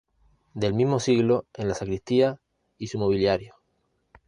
Del mismo siglo es la Sacristía y su mobiliario.